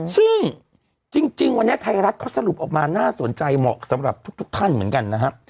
ซึ่งจริงวันนี้ไทยรัฐเขาสรุปออกมาน่าสนใจเหมาะสำหรับทุกท่านเหมือนกันนะฮะ